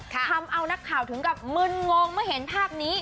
ทำเอานักข่าวถึงกับมึนงงเมื่อเห็นภาพนี้